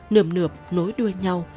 nượm nượp nối đuôi nhau